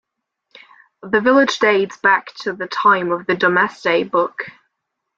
The village dates back to the time of the "Domesday Book".